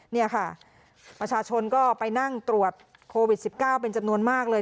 นี่ค่ะประชาชนก็ไปนั่งตรวจโควิด๑๙เป็นจำนวนมากเลย